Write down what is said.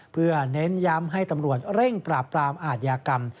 เพื่อเน้นย้ำให้ตำรวจเร่งปราบปรามอาทยากรรม